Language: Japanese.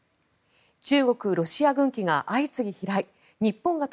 中国、ロシア軍機が相次ぎ飛来。